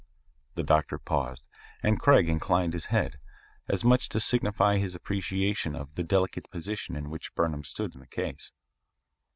The doctor paused, and Craig inclined his head, as much as to signify his appreciation of the delicate position in which Burnham stood in the case.